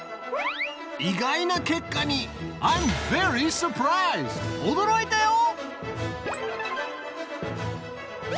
意外な結果に驚いたよ！